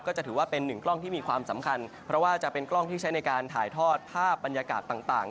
จะถือว่าเป็นหนึ่งกล้องที่มีความสำคัญเพราะว่าจะเป็นกล้องที่ใช้ในการถ่ายทอดภาพบรรยากาศต่าง